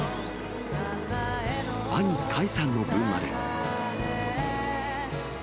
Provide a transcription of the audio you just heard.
兄、魁さんの分まで。